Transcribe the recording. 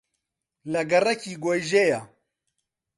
لە گەڕەکی گۆیژەیە